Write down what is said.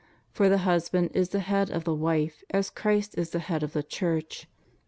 For the husband is the head of the wife; as Christ is the head of the Church.